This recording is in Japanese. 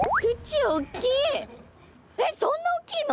えっそんなおっきいの？